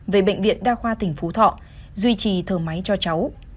về bệnh viện đa khoa tỉnh phú thọ duy trì thờ máy cho cháu